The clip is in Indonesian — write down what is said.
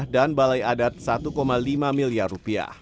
dan balai adat rp satu lima miliar